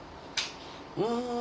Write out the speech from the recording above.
うん。